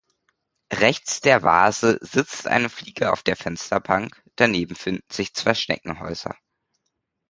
Rechts der Vase sitzt eine Fliege auf der Fensterbank, daneben finden sich zwei Schneckenhäuser.